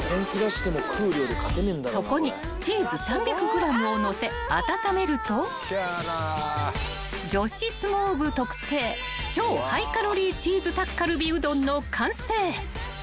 ［そこにチーズ３００ｇを載せ温めると女子相撲部特製超ハイカロリーチーズタッカルビうどんの完成］